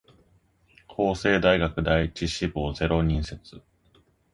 法政大学第一志望ゼロ人説